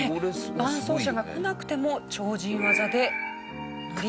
伴奏者が来なくても超人技で乗り切りました。